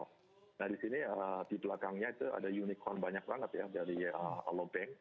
nah di sini di belakangnya itu ada unicorn banyak banget ya dari alobank